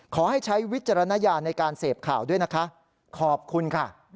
ขอให้ใช้วิจารณญาณในการเสพข่าวด้วยนะคะขอบคุณค่ะ